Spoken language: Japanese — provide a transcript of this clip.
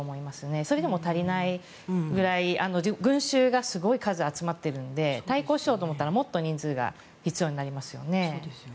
それでも足りないぐらい群衆がすごい数集まっているので対抗しようと思ったらもっと人数が必要になりますね。